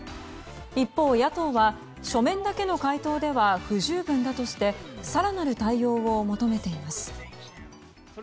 一方、野党は書面だけでの回答では不十分だとして更なる対応を求めています。